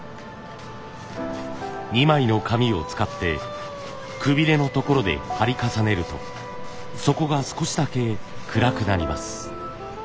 ２枚の紙を使ってくびれのところで貼り重ねるとそこが少しだけ暗くなります。